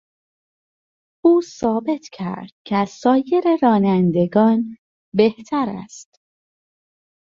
او ثابت کرد که از سایر رانندگان بهتر است.